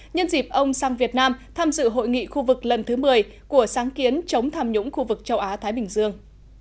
nhân dịp ông sang việt nam tham dự hội nghị khu vực lần thứ một mươi của sáng kiến chống tham nhũng khu vực châu á thái bình dương